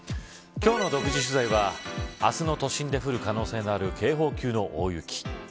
今日の独自取材は明日の都心で降る可能性のある警報級の大雪。